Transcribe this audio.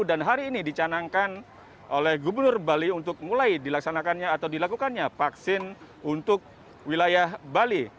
dan hari ini dicanangkan oleh gubernur bali untuk mulai dilaksanakannya atau dilakukannya vaksin untuk wilayah bali